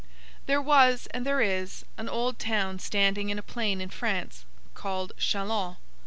There was, and there is, an old town standing in a plain in France, called Châlons.